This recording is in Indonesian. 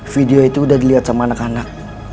video itu udah dilihat sama anak anak